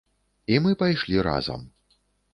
І мы пайшлі разам.